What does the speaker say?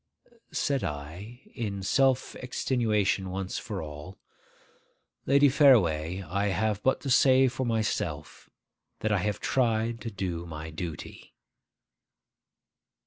Said I, in self extenuation once for all, 'Lady Fareway, I have but to say for myself that I have tried to do my duty.